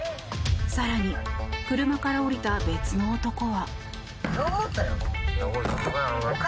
更に、車から降りた別の男は。